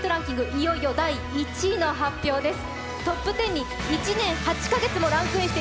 いよいよ第１位の発表です。